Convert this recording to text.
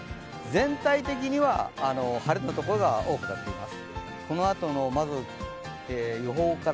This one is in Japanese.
全体的には晴れのところが多くなっています。